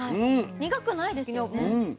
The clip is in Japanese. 苦くないですよね。